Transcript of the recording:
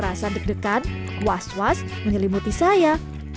rasa deg degan was was menyelimuti saya